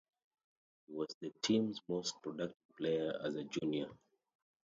He was the team's most productive player as a junior.